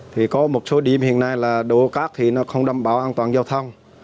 thì có một số điểm hiện nay là đồ cát thì nó không đảm bảo an toàn giao thông